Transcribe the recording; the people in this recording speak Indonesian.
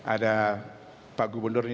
ada pak gubernur ini